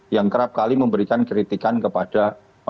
yang kerap kali memberikan kritikan kepada